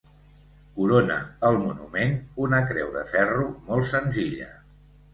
Corona el monument una creu de ferro molt senzilla.